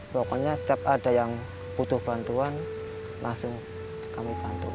pokoknya setiap ada yang butuh bantuan langsung kami bantu